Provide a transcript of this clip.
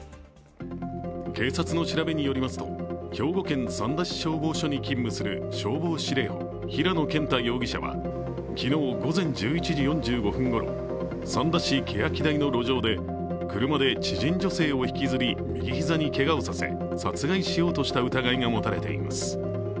警察の調べによりますと兵庫県三田市消防署に勤務する消防司令補、平野健太容疑者は昨日午前１１時４５分ごろ三田市けやき台の路上で車で知人女性を引きずり、右膝にけがをさせ殺害しようとした疑いが持たれています。